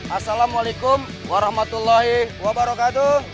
assalamualaikum warahmatullahi wabarakatuh